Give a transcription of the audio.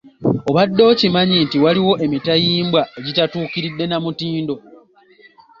Obadde okimanyi nti waliwo emitayimbwa egitatuukiridde na mutindo